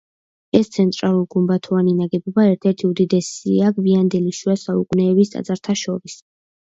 ეს ცენტრალურ გუმბათოვანი ნაგებობა ერთ-ერთი უდიდესია გვიანდელი შუა საუკუნეების ტაძართა შორის.